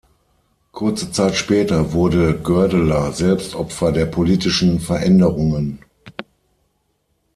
Kurze Zeit später wurde Goerdeler selbst Opfer der politischen Veränderungen.